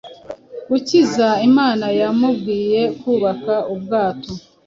Gukiza imana yamubwiye kubaka ubwato